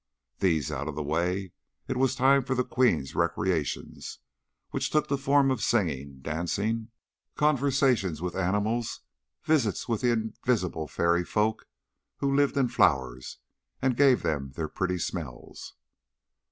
These out of the way, it was time for the queen's recreations, which took the form of singing, dancing, conversations with animals, visits with the invisible fairy folk who lived in flowers and gave them their pretty smells.